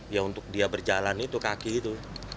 ya untuk dia berjalan itu kaki itu